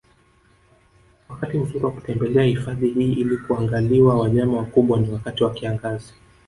Wakati mzuri wa kutembelea hifadhi hii ili kuangaliwa wanyama wakubwa ni wakati wa kiangazi